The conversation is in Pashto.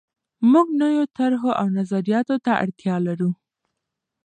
موږ نویو طرحو او نظریاتو ته اړتیا لرو.